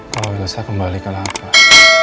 kalo ilesah kembali ke laplas